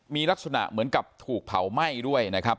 มีลักษณะเหมือนกับถูกเผาไหม้ด้วยนะครับ